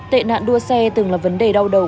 tệ nạn đua xe từng là vấn đề đau đầu